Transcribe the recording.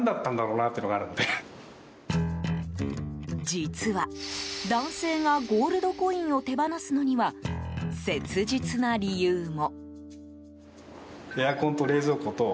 実は、男性がゴールドコインを手放すのには切実な理由も。